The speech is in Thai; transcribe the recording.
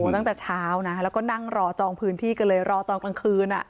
ตั้งแต่เช้านะแล้วก็นั่งรอจองพื้นที่กันเลยรอตอนกลางคืน